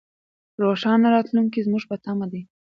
روښانه راتلونکی زموږ په تمه دی.